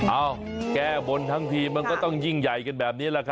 แก้บนทั้งทีมันก็ต้องยิ่งใหญ่กันแบบนี้แหละครับ